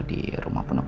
di rumah penepulitan